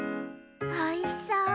おいしそう。